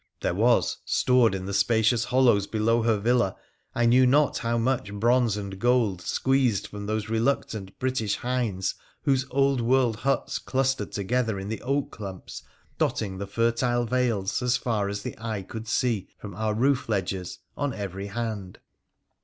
There was, stored in the spacious hollows below her villa, I know not how much bronze and gold squeezed fi om those reluctant British, hinds PttRA T8& PHCENICIAlt 51 whose old world huts clustered together in the oak clumps dotting the fertile vales as far as the eye could see from our roof ledges on every hand.